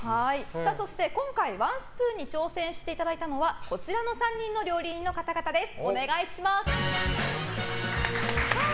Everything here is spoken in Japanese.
そして今回、ワンスプーンに挑戦していただいたのはこちらの３人の料理人の方々です。